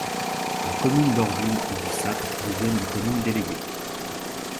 Les communes d'Orville et du Sap deviennent des communes déléguées.